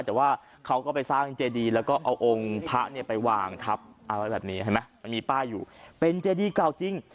แต่ว่าเขาก็ไปสร้างเจดีแล้วก็เอาองค์พระเนี่ยไปวางทับเอาไว้แบบนี้เห็นไหมมันมีป้ายอยู่เป็นเจดีเก่าจริง